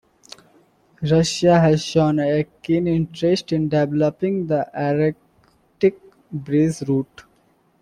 Russia has shown a keen interest in developing the Arctic Bridge route.